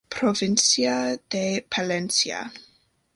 Provincia de Palencia.